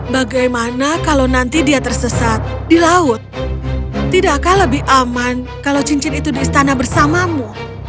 bagaimana kalau nanti dia tersesat di laut tidakkah lebih aman kalau cincin itu di istana bersamamu